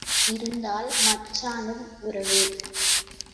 இருந்தால், மச்சானும் உறவு.